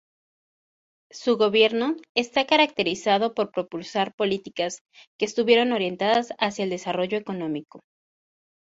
Su gobierno está caracterizado por propulsar políticas que estuvieron orientadas hacia el desarrollo económico.